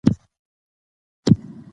ځینې ورزشکاران د زېږون سره نېکبخته وي.